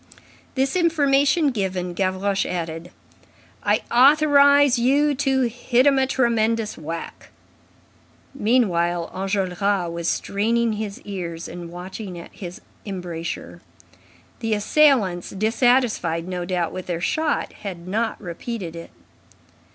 This information given, Gavroche added: "I authorize you to hit 'em a tremendous whack." Meanwhile, Enjolras was straining his ears and watching at his embrasure. The assailants, dissatisfied, no doubt, with their shot, had not repeated it.